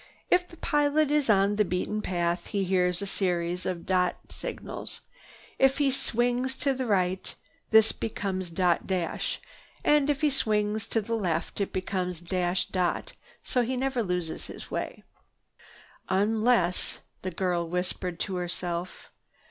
If the pilot is on the beaten path he hears a series of dot signals. If he swings to the right, this becomes dot dash, and if to the left it becomes dash dot, so he never loses the way. "Unless—" the girl whispered to herself.